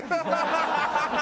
ハハハハ！